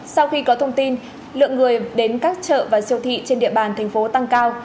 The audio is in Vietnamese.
sau khi có thông tin lượng người đến các chợ và siêu thị trên địa bàn thành phố tăng cao